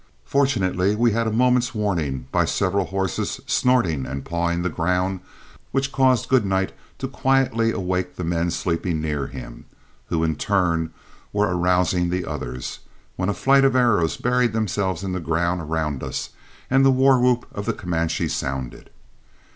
Fortunately we had a moment's warning, by several horses snorting and pawing the ground, which caused Goodnight to quietly awake the men sleeping near him, who in turn were arousing the others, when a flight of arrows buried themselves in the ground around us and the war whoop of the Comanche sounded.